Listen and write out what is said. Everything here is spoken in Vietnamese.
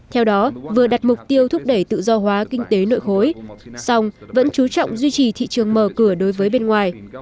theo đó vừa đặt mục tiêu thúc đẩy tự do hóa kinh tế nội khối song vẫn chú trọng duy trì thị trường mở cửa đối với bên ngoài